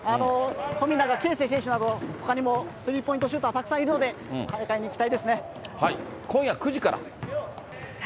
富永啓生選手など、ほかにもスリーポイントシューターはたくさんいるので、今夜９時から。